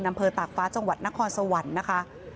อำเภอตากฟ้าจังหวัดนครสวรรค์นะคะ